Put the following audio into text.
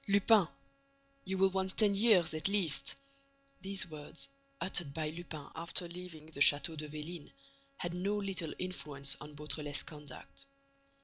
Lupin! You will want ten years, at least!— These words, uttered by Lupin after leaving the Château de Vélines, had no little influence on Beautrelet's conduct.